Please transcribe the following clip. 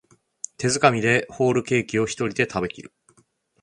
手づかみでホールケーキをひとりで食べきる